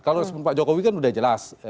kalau respon pak jokowi kan sudah jelas